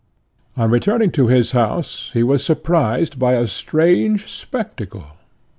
On returning to his house he was surprised by a strange spectacle.